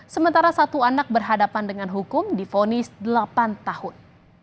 sementara satu anak berhadapan dengan hukum difonis delapan tahun